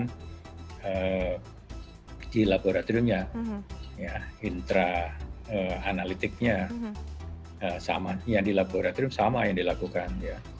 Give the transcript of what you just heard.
itu di laboratoriumnya intra analytiknya yang di laboratorium sama yang dilakukan